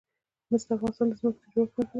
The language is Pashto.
مس د افغانستان د ځمکې د جوړښت نښه ده.